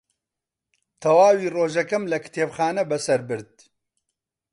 تەواوی ڕۆژەکەم لە کتێبخانە بەسەر برد.